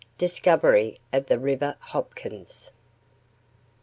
DISCOVERY OF THE RIVER HOPKINS.